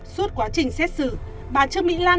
suốt quá trình xét xử bà trương mỹ lan